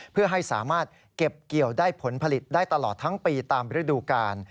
เพื่อให้สามารถเก็บเกี่ยวได้ผลผลิตได้ตลอดทั้งปีตามฤดูกาล